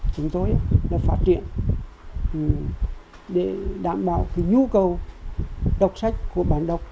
chúng tôi phát triển đảm bảo nhu cầu đọc sách của bản đọc